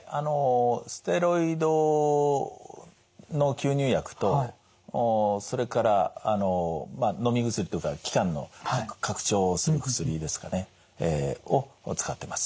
ステロイドの吸入薬とそれからのみ薬というか気管の拡張をする薬ですかねを使ってます。